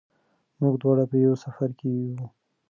موږ دواړه په یوه سفر کې وو.